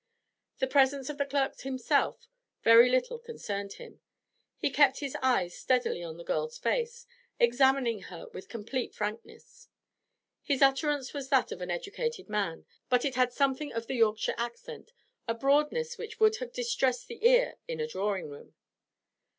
The presence of the clerk himself very little concerned him. He kept his eyes steadily on the girl's face, examining her with complete frankness. His utterance was that of an educated man, but it had something of the Yorkshire accent, a broadness which would have distressed the ear in a drawing room.